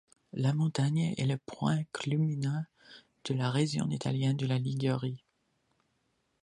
La montagne est le point culminant de la région italienne de la Ligurie.